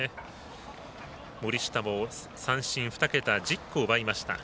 森下も三振、２桁１０個奪いました。